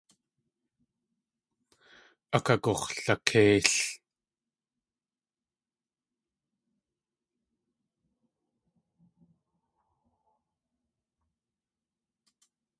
Akagux̲lakéil.